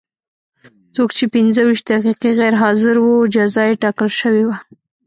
څوک چې پنځه ویشت دقیقې غیر حاضر و جزا یې ټاکل شوې وه.